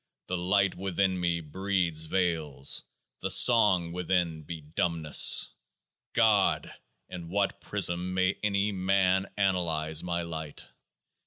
the Light within me breeds veils ; the song within be dumbness. God ! in what prism may any man analyse my Light?